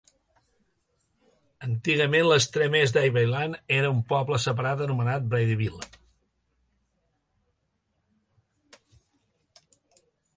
Antigament, l'extrem est d'Ivyland era un poble separat anomenat Bradyville.